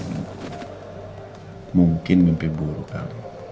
mungkin gempe buruk maka